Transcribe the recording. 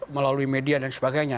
melalui media dan sebagainya